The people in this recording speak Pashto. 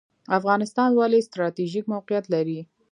افغانستان ولې ستراتیژیک موقعیت لري؟